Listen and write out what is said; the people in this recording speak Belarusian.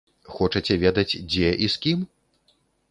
Хочаце ведаць дзе і з кім?